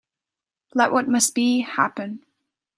Let what must be, happen.